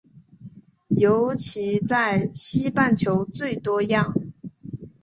尤其在西半球最多样。